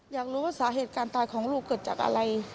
อยากรู้ว่าสาเหตุการณ์ตายของลูกเกิดจากอะไร